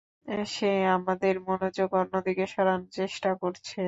সে আমাদের মনোযোগ অন্যদিকে সরানোর চেষ্টা করছে।